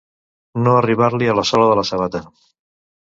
No arribar-li a la sola de la sabata.